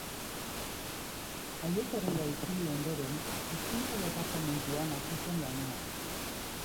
Jaioterrira itzuli ondoren, Hizkuntza Departamentuan hasi zen lanean.